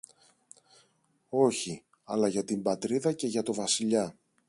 Όχι, αλλά για την Πατρίδα και για το Βασιλιά!